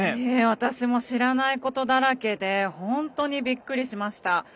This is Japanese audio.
私も知らないことだらけで本当にびっくりしました。